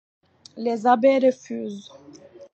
Les abbés refusent.